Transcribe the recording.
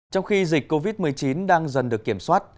trong khi dịch covid một mươi chín đang dần được kiểm soát